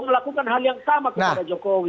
melakukan hal yang sama kepada jokowi